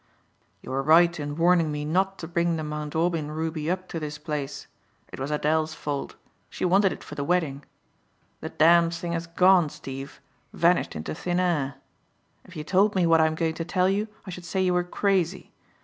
"You were right in warning me not to bring the Mt. Aubyn ruby up to this place. It was Adele's fault. She wanted it for the wedding. The damned thing has gone, Steve, vanished into thin air. If you told me what I'm going to tell you, I should say you were crazy.